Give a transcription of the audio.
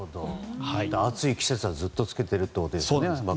暑い季節はずっと使うということですね。